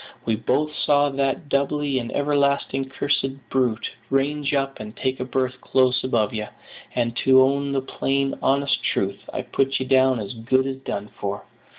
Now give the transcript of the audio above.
"We both saw that doubly and everlastingly cursed brute range up and take a berth close above ye; and, to own the plain, honest truth, I put ye down as good as done for.